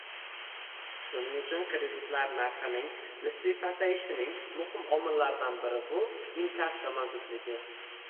Shuning uchun kreditlar narxining nisbiy pasayishining muhim omillaridan biri bu inkasso mavjudligi